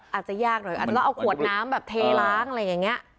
อาจจะยากหน่อยอาจจะต้องเอาขวดน้ำแบบเทล้างอะไรอย่างนี้